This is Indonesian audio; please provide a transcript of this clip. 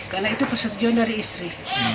karena itu persetujuan dari istri